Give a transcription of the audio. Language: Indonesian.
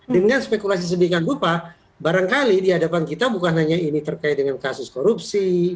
dengan spekulasi sedemikian rupa barangkali di hadapan kita bukan hanya ini terkait dengan kasus korupsi